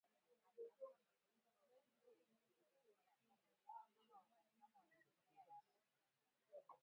Alisema kujiunga kwa Jamhuri ya Kidemokrasia ya Kongo kama mwanachama wa Jumuiya ya Afrika Mashariki